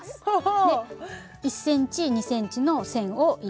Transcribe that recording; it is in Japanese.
１ｃｍ２ｃｍの線を入れてあります。